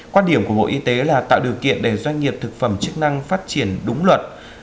quan điểm của bộ y tế là tạo điều kiện để doanh nghiệp thực phẩm chức năng phát triển đúng luật